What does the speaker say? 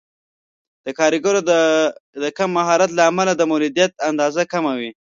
د کارګرو د کم مهارت له امله د مولدیت اندازه کمه وي.